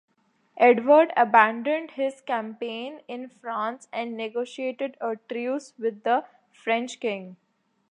Edward abandoned his campaign in France and negotiated a truce with the French king.